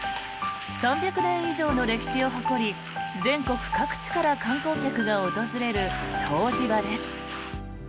３００年以上の歴史を誇り全国各地から観光客が訪れる湯治場です。